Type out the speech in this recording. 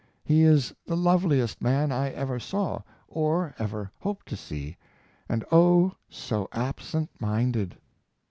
He is the loveliest man I ever saw, or ever hope to see, and oh so absent minded!